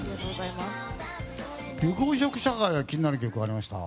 緑黄色社会は気になる曲ありました？